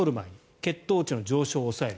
血糖値の上昇を抑える。